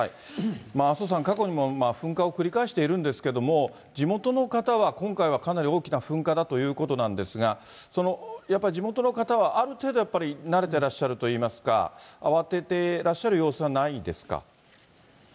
阿蘇山、過去にも噴火を繰り返しているんですけれども、地元の方は、今回はかなり大きな噴火だということなんですが、やっぱり地元の方はある程度、やっぱり慣れてらっしゃるといいますか、慌ててらっしゃる様子はないですか？